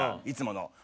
いつもの。